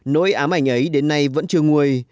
nỗi ám ảnh ấy đến nay vẫn chưa nguôi